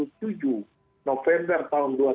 itu hal yang prinsip yang kita putuskan